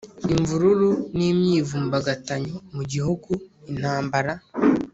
Imvururu n imyivumbagatanyo mu gihugu intambara